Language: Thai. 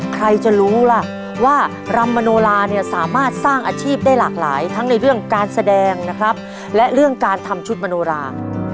ใครจะรู้ล่ะว่ารำมโนลาเนี่ยสามารถสร้างอาชีพได้หลากหลายทั้งในเรื่องการแสดงนะครับและเรื่องการทำชุดมโนรา